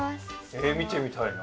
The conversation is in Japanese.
え見てみたいな。